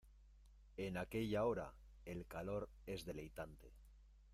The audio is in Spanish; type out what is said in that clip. en aquella hora el calor es deleitante.